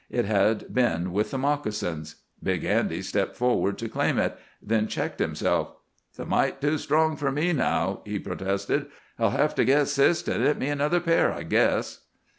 It had been with the moccasins. Big Andy stepped forward to claim it, then checked himself. "It's a mite too strong fer me now," he protested. "I'll hev to git Sis to knit me another pair, I guess."